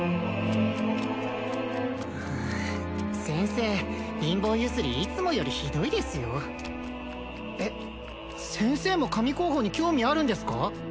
先生貧乏ゆすりいつもよりひどいですよえっ先生も神候補に興味あるんですか？